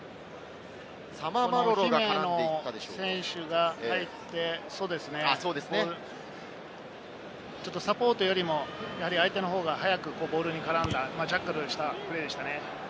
姫野選手が入って、サポートよりも相手の方が早くボールに絡んだジャッカルしたプレーでしたね。